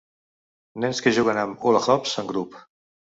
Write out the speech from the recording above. Nens que juguen amb hula-hoops en grup.